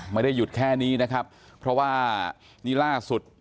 ไม่ได้หยุดแค่นี้นะครับเพราะว่านี่ล่าสุด